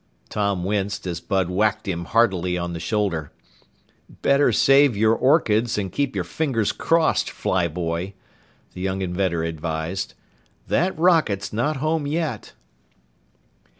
Tom winced as Bud whacked him heartily on the shoulder. "Better save your orchids and keep your fingers crossed, fly boy," the young inventor advised. "That rocket's not home yet."